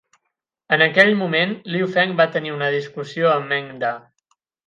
En aquell moment, Liu Feng va tenir una discussió amb Meng Da.